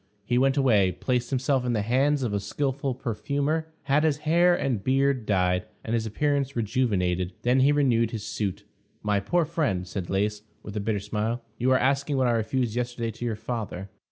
He went away, placed himself in the hands of a skillful perfumer, had his hair and beard dyed, and his appearance rejuvenated. Then he renewed his suit. "My poor friend," said Lais, with a bitter smile, "you are asking what I refused yesterday to your father."